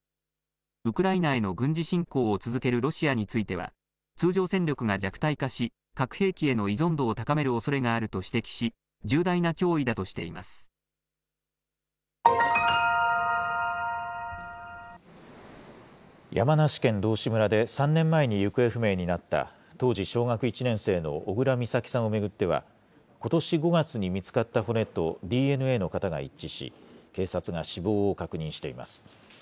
ウクライナへの軍事侵攻を続けるロシアについては、通常戦力が弱体化し、核兵器への依存度を高めるおそれがあると指摘し、重大な脅威だと山梨県道志村で３年前に行方不明になった、当時小学１年生の小倉美咲さんを巡っては、ことし５月に見つかった骨とＤＮＡの型が一致し、警察が死亡を確認しています。